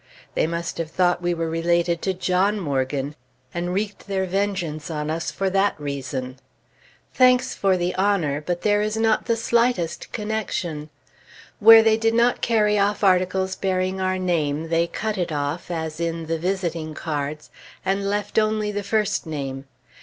They must have thought we were related to John Morgan, and wreaked their vengeance on us for that reason. Thanks for the honor, but there is not the slightest connection! Where they did not carry off articles bearing our name, they cut it off, as in the visiting cards, and left only the first name.